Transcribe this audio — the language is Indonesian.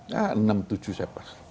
ya enam tujuh saya pas